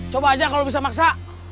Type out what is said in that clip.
coba aja kalau bisa maksa